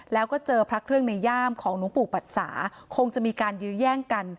แล้วก็เจอพระเครื่องในย่ามของหลวงปู่ปัดสาคงจะมีการยื้อแย่งกัน